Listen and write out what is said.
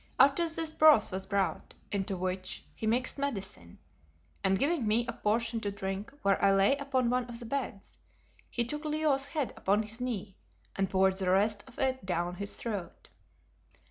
After this broth was brought, into which he mixed medicine, and giving me a portion to drink where I lay upon one of the beds, he took Leo's head upon his knee and poured the rest of it down his throat.